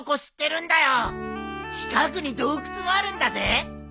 近くに洞窟もあるんだぜ。